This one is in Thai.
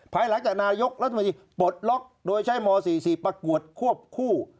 ภายหลังจากนายกรัฐมนตรีปลดล็อกโดยใช้ม๔๔ประกวดควบคู่